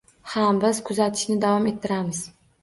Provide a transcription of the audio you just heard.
Ha, biz kuzatishni davom ettiramiz